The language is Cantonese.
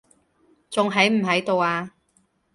仲喺唔喺度啊？